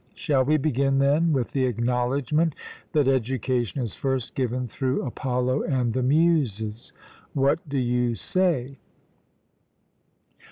Shall we begin, then, with the acknowledgment that education is first given through Apollo and the Muses? What do you say?